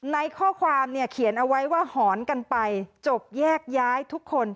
ในข้อความเนี่ยเขียนเอาไว้ว่าหอนกันไปจบแยกย้ายทุกคน